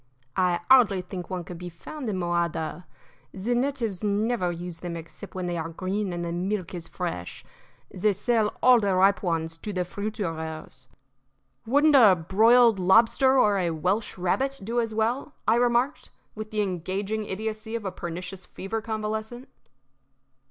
"I hardly think one could be found in Mojada. The natives never use them except when they are green and the milk is fresh. They sell all the ripe ones to the fruiterers." "Wouldn't a broiled lobster or a Welsh rabbit do as well?" I remarked, with the engaging idiocy of a pernicious fever convalescent.